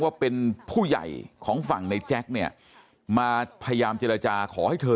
ว่าเป็นผู้ใหญ่ของฝั่งในแจ็คเนี่ยมาพยายามเจรจาขอให้เธอ